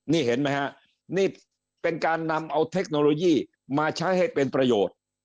นี่เห็นไหมฮะนี่เป็นการนำเอาเทคโนโลยีมาใช้ให้เป็นประโยชน์